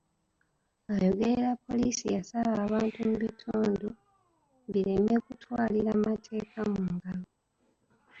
Ayogerera poliisi yasaba abantu mu bitundu bireme kutwalira mateeka mu ngalo.